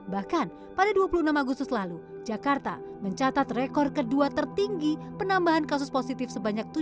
bahkan pada dua puluh enam agustus lalu jakarta mencatat rekor kedua tertinggi penambahan kasus positif sebanyak tujuh